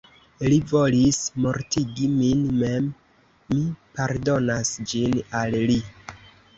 Li volis mortigi min mem, mi pardonas ĝin al li.